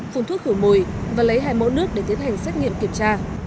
phun thuốc khử mùi và lấy hai mẫu nước để tiến hành xét nghiệm kiểm tra